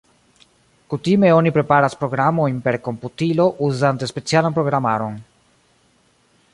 Kutime oni preparas programojn per komputilo uzante specialan programaron.